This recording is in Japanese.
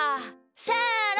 せの！